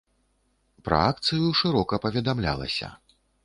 Пра акцыю шырока паведамлялася.